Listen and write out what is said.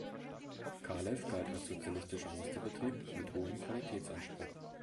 Kalev galt als sozialistischer Musterbetrieb mit hohem Qualitätsanspruch.